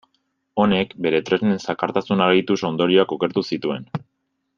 Honek, bere tresnen zakartasuna gehituz, ondorioak okertu zituen.